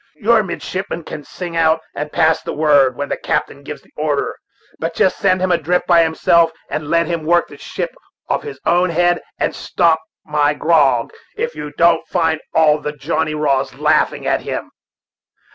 Your midshipman can sing out, and pass the word, when the captain gives the order, but just send him adrift by himself, and let him work the ship of his own head, and stop my grog if you don't find all the Johnny Raws laughing at him."